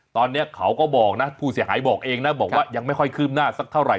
ตอนนี้เขาก็บอกนะผู้เสียหายบอกเองนะบอกว่ายังไม่ค่อยคืบหน้าสักเท่าไห